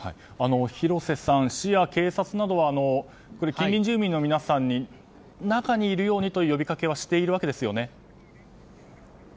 広瀬さん、市や警察などは近隣住民の皆さんに建物の中にいるようにと呼びかけはしているわけですよね。